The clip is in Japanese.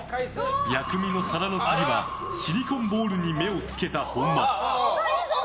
薬味の皿の次はシリコンボウルに目を付けた本間。